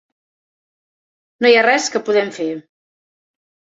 No hi ha res que podem fer.